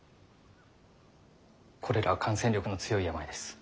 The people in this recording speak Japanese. コレラは感染力の強い病です。